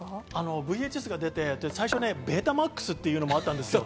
ＶＨＳが出て、最初、ベータマックスっていうのがあった。